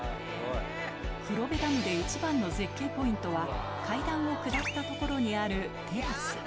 黒部ダムで一番の絶景ポイントは階段を下った所にあるテラス